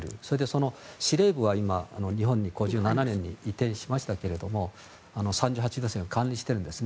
その司令部は今、日本に５７年に移転しましたけど３８度線を管理しているんです。